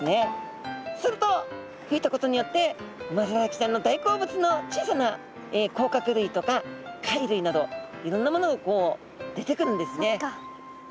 すると吹いたことによってウマヅラハギちゃんの大好物の小さな甲殻類とか貝類などいろんなものが出てくるんですね。